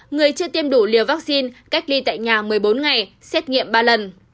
người chưa tiêm đủ liều vaccine cách ly tại nhà một mươi bốn ngày xét nghiệm ba lần